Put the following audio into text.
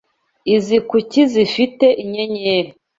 Izi kuki zifite inyenyeri.